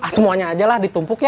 semuanya ajalah ditumpuk ya